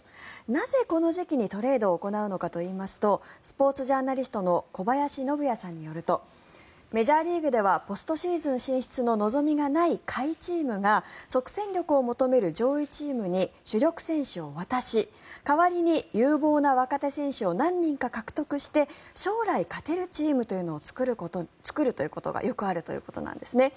なぜ、この時期にトレードを行うのかといいますとスポーツジャーナリストの小林信也さんによるとメジャーリーグではポストシーズン進出の望みがない下位チームが即戦力を求める上位チームに主力選手を渡し代わりに有望な若手選手を何人か獲得して将来勝てるチームというのを作るということがよくあるということなんですね。